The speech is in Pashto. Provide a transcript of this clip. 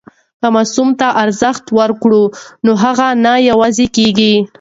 که ماسوم ته ارزښت ورکړو نو هغه نه یوازې کېږي.